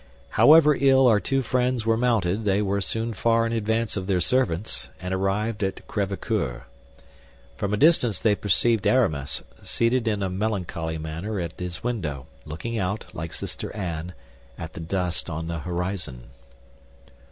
However ill our two friends were mounted, they were soon far in advance of their servants, and arrived at Crèvecœur. From a distance they perceived Aramis, seated in a melancholy manner at his window, looking out, like Sister Anne, at the dust in the horizon.